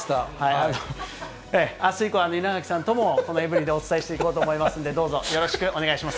あす以降、稲垣さんとも、このエブリィでお伝えしていこうと思いますので、どうぞよろしくお願いします。